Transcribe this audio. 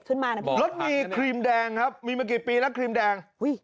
มานะพี่รถมีครีมแดงครับมีมากี่ปีแล้วครีมแดงอุ้ย